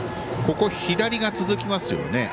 ここ、左が続きますね。